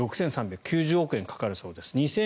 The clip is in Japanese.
６３９０億円かかるそうです。